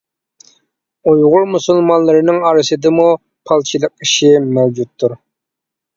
ئۇيغۇر مۇسۇلمانلىرىنىڭ ئارىسىدىمۇ پالچىلىق ئىشى مەۋجۇتتۇر.